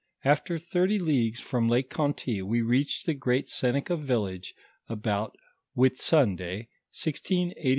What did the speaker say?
After thirty leagues from Lake Conty, wo reached tho groat Seneca village about Whitsun day, 1G81.